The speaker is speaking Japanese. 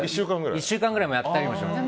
１週間ぐらいやったりします。